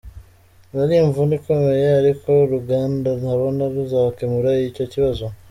Yari imvune ikomeye, ariko uru ruganda ndabona ruzakemura icyo kibazo.